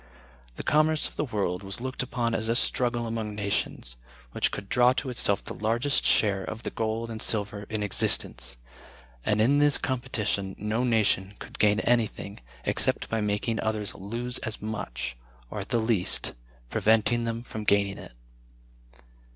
The commerce of the world was looked upon as a struggle among nations, which could draw to itself the largest share of the gold and silver in existence; and in this competition no nation could gain anything, except by making others lose as much, or, at the least, preventing them from gaining it.